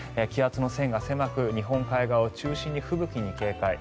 気圧の線が狭く日本海側を中心に吹雪に警戒。